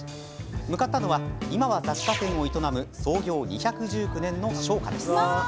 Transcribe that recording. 向かったのは今は雑貨店を営む創業２１９年の商家です。